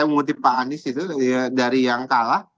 motif pak anies itu dari yang kalah